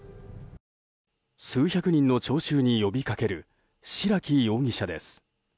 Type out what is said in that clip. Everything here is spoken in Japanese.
数百人の聴衆に呼びかける白木容疑者です。